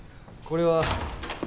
これは。